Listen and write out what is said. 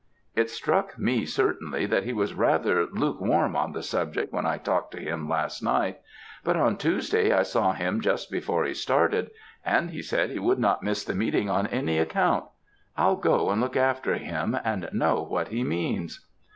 "'It struck me, certainly, that he was rather lukewarm on the subject when I talked to him last night; but on Tuesday I saw him just before he started, and he said he would not miss the meeting on any account. I'll go and look after him and know what he means.'